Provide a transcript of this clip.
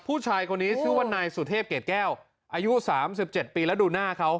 ผู้ชายคนนี้ชื่อว่านายสุเทพเกรดแก้วอายุ๓๗ปีแล้วดูหน้าเขา